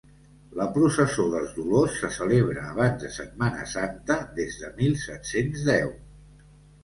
La Processó dels Dolors se celebra abans de Setmana Santa des de mil set-cents deu.